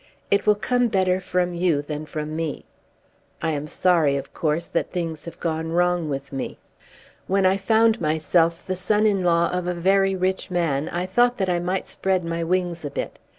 It will come better from you than from me. I am sorry, of course, that things have gone wrong with me. When I found myself the son in law of a very rich man I thought that I might spread my wings a bit.